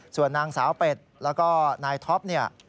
ส่วนนางสาวเป็ดแล้วก็นายท็อปเนี่ย